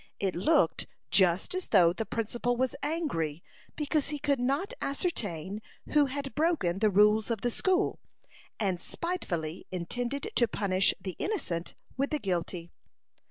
It looked just as though the principal was angry because he could not ascertain who had broken the rules of the school, and spitefully intended to punish the innocent with the guilty.